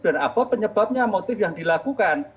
dan apa penyebabnya motif yang dilakukan